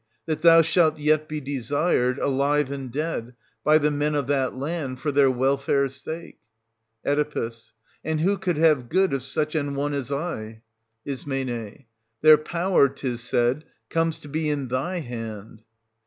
That thou shalt yet be desired, alive and dead, by the men of that land, for their welfare's sake. 390 Oe. And who could have good of such an one as I? Is. Their power, 'tis said, comes to be in thy hand.